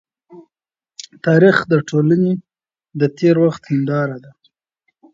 تاریخ د ټولني د تېر وخت هنداره ده.